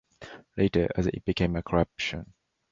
Later, as it became a corporation.